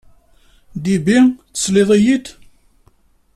Debbie! Teslid-iyi-d?